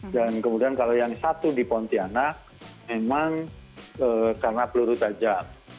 kemudian kalau yang satu di pontianak memang karena peluru tajam